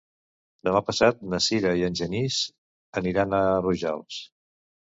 Demà passat na Sira i en Genís aniran a Rojals.